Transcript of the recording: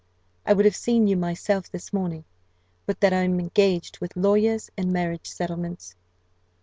"I would have seen you myself this morning, but that I am engaged with lawyers and marriage settlements.